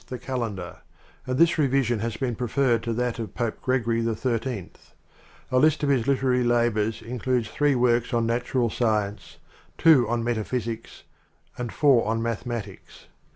UNIVERSITY OF MICHIGAN 4 the calendar, and this revision has been preferred to that of Pope Gregory XIII. A list of his literary labors includes three works on natural science, two on metaphysics, and four on math ematics.